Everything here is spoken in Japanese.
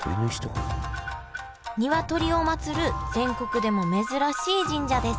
ニワトリを祭る全国でも珍しい神社です